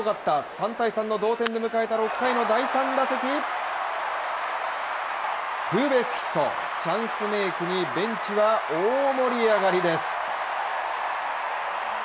３−３の同点で迎えた６回の第３打席、ツーベストヒット、チャンスメークにベンチは大盛り上がりです。